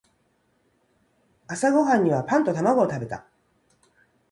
朝ごはんにはパンと卵を食べた。